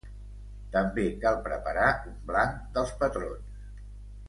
També cal preparar un blanc dels patrons.